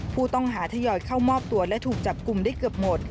ผู้ต้องหาทยอยเข้ามอบตัวและถูกจับกลุ่มได้เกือบหมด